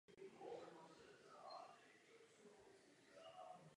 Měli jsme čas uvědomit si, že se plameny šíří.